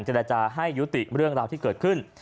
เจรจาให้ยุติเรื่องราวที่เกิดขึ้น